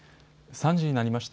３時になりました。